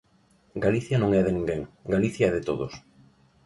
Galicia non é de ninguén, Galicia é de todos.